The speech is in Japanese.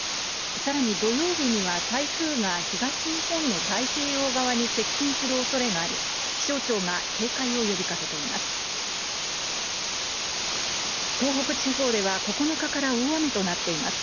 さらに土曜日には、台風が東日本の太平洋側に接近するおそれがあり、気象庁が警戒を呼びかけています。